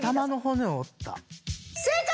正解！